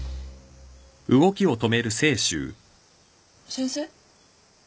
先生？